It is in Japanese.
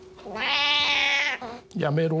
やめろ。